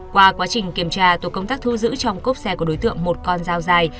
qua quá trình kiểm tra tổ công tác thu giữ trong cốp xe của đối tượng một con dao dài